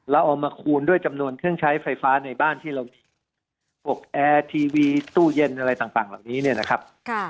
เอามาคูณด้วยจำนวนเครื่องใช้ไฟฟ้าในบ้านที่เรามีพวกแอร์ทีวีตู้เย็นอะไรต่างเหล่านี้เนี่ยนะครับ